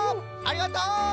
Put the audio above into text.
ありがとう！